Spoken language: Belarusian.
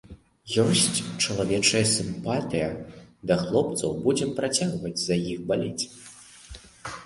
Ёсць чалавечая сімпатыя да хлопцаў, будзем працягваць за іх балець.